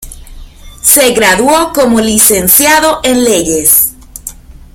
Se graduó como licenciado en Leyes.